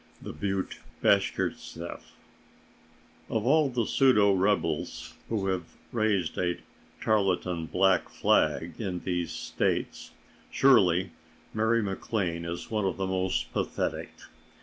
THE BUTTE BASHKIRTSEFF Of all the pseudo rebels who have raised a tarletan black flag in These States, surely Mary MacLane is one of the most pathetic.